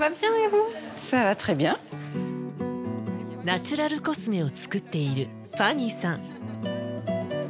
ナチュラルコスメを作っているファニーさん。